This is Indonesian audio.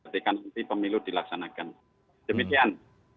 dan kepentingan pemilu dilaksanakan demikian